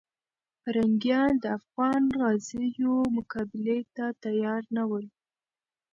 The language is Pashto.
پرنګیان د افغان غازیو مقابلې ته تیار نه ول.